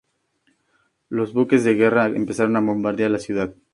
Los buques de guerra empezaron a bombardear la ciudad.